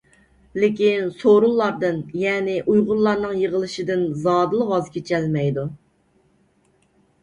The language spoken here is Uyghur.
لېكىن، سورۇنلاردىن، يەنى ئۇيغۇرلارنىڭ يىغىلىشىدىن زادىلا ۋاز كېچەلمەيدۇ.